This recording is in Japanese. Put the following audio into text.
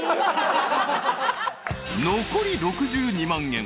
［残り６２万円。